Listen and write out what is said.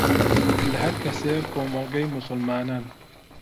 لە هەر کەسێکی کۆمەڵگەی موسڵمانان